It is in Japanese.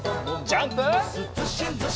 ジャンプ！